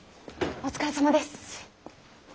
お疲れさまです！